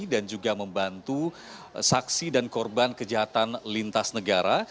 dan juga membantu saksi dan korban kejahatan lintas negara